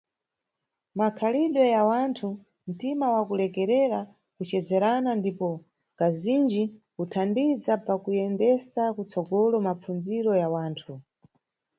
Makhalidwe ya wanthu, ntima wa kulekerera, kucezerana ndipo, kazinji, kuthandiza pakuyendesa kutsogolo mapfundziro ya wanthu.